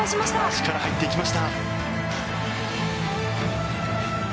足から入っていきました。